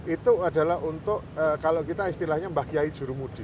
itu adalah untuk kalau kita istilahnya mbah kiai jurumudi